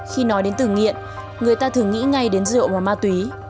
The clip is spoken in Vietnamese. khi nói đến từ nghiện người ta thường nghĩ ngay đến rượu và ma túy